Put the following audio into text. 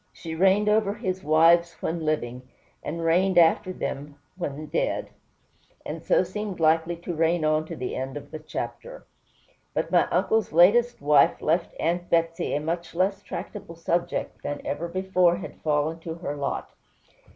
She reigned over his wives when living, and reigned after them when dead, and so seemed likely to reign on to the end of the chapter. But my uncle's latest wife left Aunt Betsey a much less tractable subject than ever before had fallen to her lot.